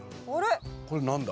これ何だ？